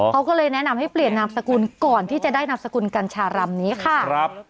เขาก็เลยแนะนำให้เปลี่ยนนามสกุลก่อนที่จะได้นามสกุลกัญชารำนี้ค่ะ